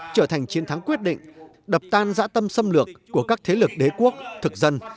trở thành chiến thắng quyết định đập tan dã tâm xâm lược của các thế lực đế quốc thực dân